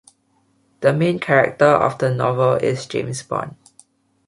The main character of the novel is James Bond.